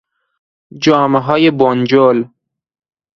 جامههای بنجل